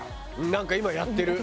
なんか今やってる。